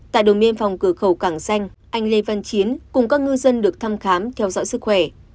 tại đồn biên phòng cửa khẩu cảng xanh anh lê văn chiến cùng các ngư dân được thăm khám theo dõi sức khỏe